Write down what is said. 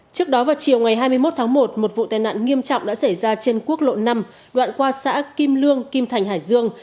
trước đó vào chiều ngày hai mươi một tháng một một vụ tai nạn nghiêm trọng đã xảy ra trên quốc lộ năm đoạn qua xã kim lương kim thành hải dương